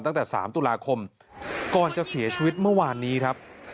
ตั้งแต่๓ตุลาคมก่อนจะเสียชีวิตเมื่อวานนี้ครับ